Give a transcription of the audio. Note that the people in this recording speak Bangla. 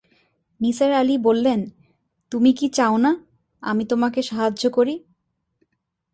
নিসার আলি বললেন, তুমি কি চাও না, আমি তোমাকে সাহায্য করি?